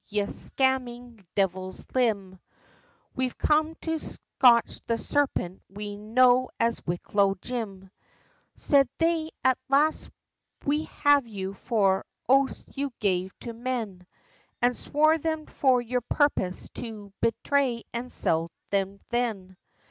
ye scaymin' divil's limb; We've come to scotch the serpent, we know as Wicklow Jim," Said they, "At last we have you for oaths you gave to men, An' swore them for your purpose, to bethray, an' sell them then!"